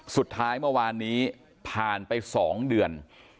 สุดท้ายเมื่อวานนี้ผ่านไป๒เดือน